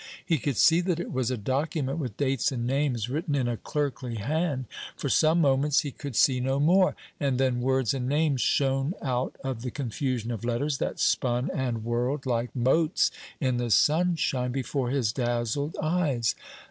He could see that it was a document with dates and names written in a clerkly hand. For some moments he could see no more. And then words and names shone out of the confusion of letters that spun and whirled, like motes in the sunshine, before his dazzled eyes.